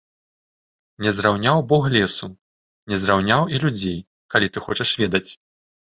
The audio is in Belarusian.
Не зраўняў бог лесу, не зраўняў і людзей, калі ты хочаш ведаць.